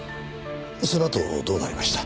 そのあとどうなりました？